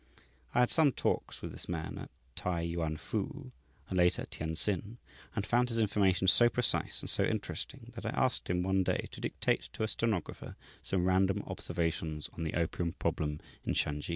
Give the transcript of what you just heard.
I had some talks with this man at T'ai Yuan fu, and later at Tientsin, and I found his information so precise and so interesting that I asked him one day to dictate to a stenographer some random observations on the opium problem in Shansi.